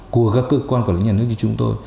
của các cơ quan quản lý nhà nước như chúng tôi